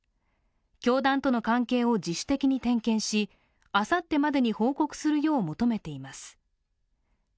教団との関係を自主的に点検し、あさってまでに報告するよう求めています。